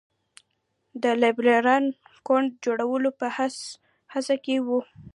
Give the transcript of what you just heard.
د لېبرال ګوند جوړولو په هڅه کې وو.